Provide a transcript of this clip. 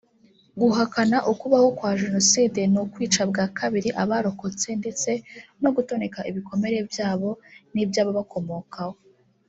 Guhakana ukubaho kwa Jenoside ni ukwica bwa kabiri abarokotse ndetse no gutoneka ibikomere byabo n’iby’abakomokaho